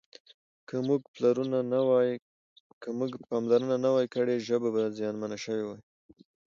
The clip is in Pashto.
که موږ پاملرنه نه وای کړې ژبه به زیانمنه شوې وای.